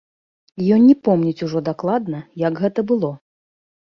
Ён не помніць ужо дакладна, як гэта было.